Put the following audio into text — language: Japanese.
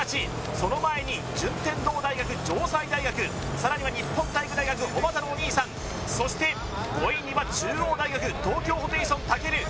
その前に順天堂大学城西大学さらには日本体育大学おばたのお兄さんそして５位には中央大学東京ホテイソンたける